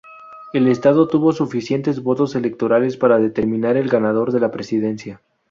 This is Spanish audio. El estado tuvo suficientes votos electorales para determinar el ganador de la Presidencia.